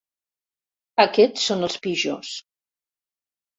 Aquests són els pitjors!